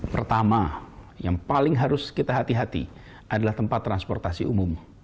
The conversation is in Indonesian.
pertama yang paling harus kita hati hati adalah tempat transportasi umum